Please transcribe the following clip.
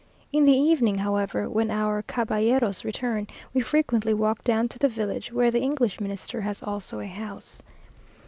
In the evening, however, when our caballeros return, we frequently walk down to the village, where the English Minister has also a house.